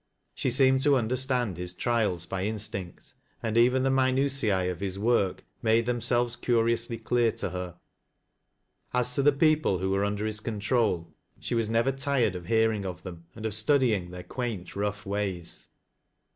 She seemed to understand his trials b,^ instinct, and even the minutiae of his work made tliem aelves curiously clear to her. As to the people who were under his control, she was never tired of hearins: of them, and of studying their quaint, rough ways.